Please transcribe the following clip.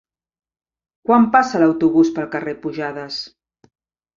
Quan passa l'autobús pel carrer Pujades?